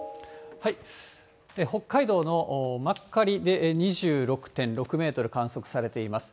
北海道の真狩で２６．６メートル観測されています。